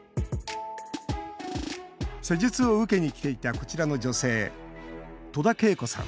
施術を受けに来ていたこちらの女性、戸田啓子さん